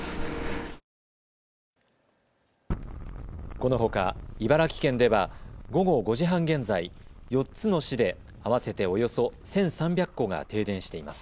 このほか茨城県では午後５時半現在、４つの市で合わせておよそ１３００戸が停電しています。